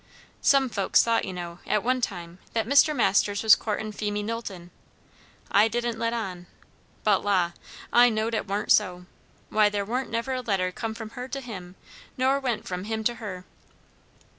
"Some folks thought, you know, at one time, that Mr. Masters was courtin' Phemie Knowlton. I didn't let on, but la! I knowed it warn't so. Why, there warn't never a letter come from her to him, nor went from him to her."